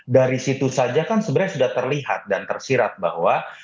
dari situ saja kan sebenarnya sudah terlihat dan tersirat bahwa